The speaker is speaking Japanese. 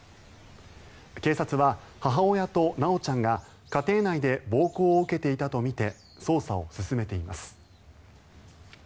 警察は、母親と修ちゃんが家庭内で暴行を受けていたとみて捜査を進めています。